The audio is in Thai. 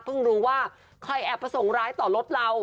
รู้ว่าใครแอบประสงค์ร้ายต่อรถเรา